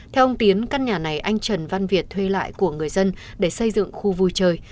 theo ông tiến căn nhà này anh trần văn việt thuê lại của người dân để xây dựng khu vui chơi